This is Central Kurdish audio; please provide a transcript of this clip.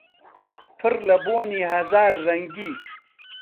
پڕ لە بۆنی هەزار ڕەنگی